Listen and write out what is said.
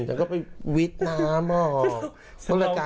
ฉันก็ไปวิฒนางน้ำออก